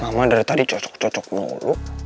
eh mama dari tadi cocok cocok mulu